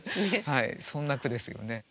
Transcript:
そんな句ですよね。